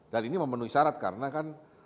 dan ini memenuhi syarat karena kan